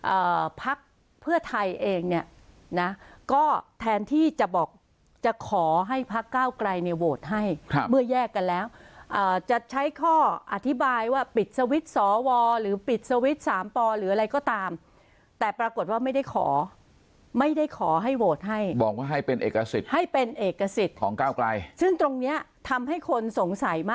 เอ่อพักเพื่อไทยเองเนี่ยนะก็แทนที่จะบอกจะขอให้พักเก้าไกลเนี่ยโหวตให้ครับเมื่อแยกกันแล้วอ่าจะใช้ข้ออธิบายว่าปิดสวิตช์สอวอหรือปิดสวิตช์สามปอหรืออะไรก็ตามแต่ปรากฏว่าไม่ได้ขอไม่ได้ขอให้โหวตให้บอกว่าให้เป็นเอกสิทธิ์ให้เป็นเอกสิทธิ์ของก้าวไกลซึ่งตรงเนี้ยทำให้คนสงสัยมา